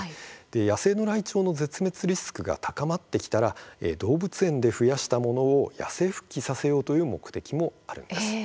野生のライチョウが絶滅するリスクが高まってきたら動物園で増やしたものを野生復帰させようという目的もあるんです。